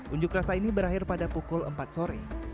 unjuk rasa ini berakhir pada pukul empat sore